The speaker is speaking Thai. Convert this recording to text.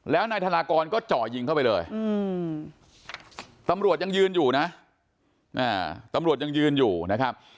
แล้วนายธนากรก็เจาะยิงเข้าไปเลยตำรวจยังยืนอยู่นะตำรวจยังยืนอยู่นะครับ